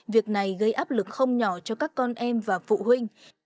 việc này gây áp lực không nhỏ cho các con em và phụ huynh